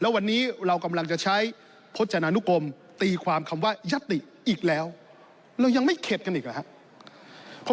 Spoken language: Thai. วันนี้เรากำลังจะใช้พจนานุกรมตีความคำว่ายัตติอีกแล้วเรายังไม่เข็ดกันอีกหรือครับ